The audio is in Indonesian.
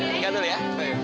ingat dulu ya